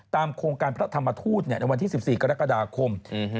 โครงการพระธรรมทูตในวันที่๑๔กรกฎาคม